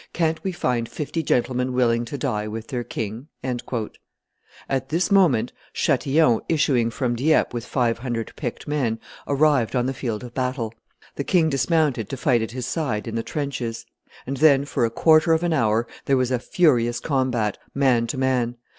Can't we find fifty gentlemen willing to die with their king?" At this moment Chatillon, issuing from Dieppe with five hundred picked men, arrived on the field of battle. The king dismounted to fight at his side in the trenches; and then, for a quarter of an hour, there was a furious combat, man to man.